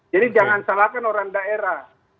jadi jangan salahkan orang daerah